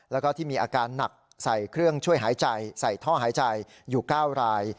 แล้วก็ที่มีอาการหนักใส่เครื่องช่วยหายใจใส่ท่อหายใจอยู่๙ราย